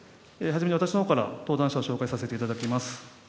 初めに私のほうから登壇者を紹介させていただきます。